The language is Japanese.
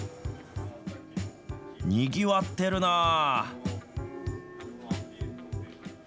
にぎわってるなあ。